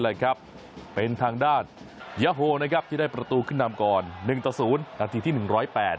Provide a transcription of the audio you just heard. ยาโหที่ได้ประตูขึ้นดำก่อนหนึ่งตะศูนย์นาทีที่หนึ่งร้อยแปด